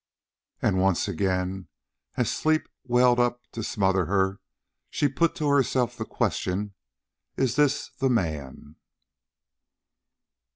And once again, as sleep welled up to smother her, she put to herself the question IS THIS THE MAN?